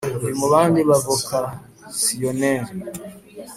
uri mu bandi bavokasiyoneli